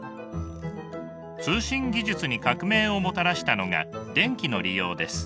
通信技術に革命をもたらしたのが電気の利用です。